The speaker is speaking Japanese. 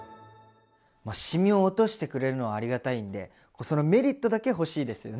シミを落としてくれるのはありがたいんでそのメリットだけ欲しいですよね。